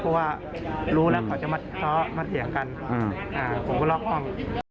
เพราะว่ารู้แล้วเขาจะมาซ้อมาเถียงกันผมก็ล็อกห้อง